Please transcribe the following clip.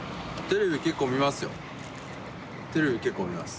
テレビ結構見ます。